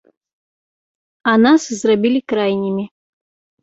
А нас зрабілі крайнімі.